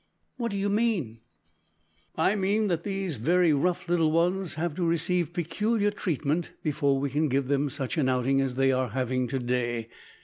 "What do you mean?" "I mean that these very rough little ones have to receive peculiar treatment before we can give them such an outing as they are having to day.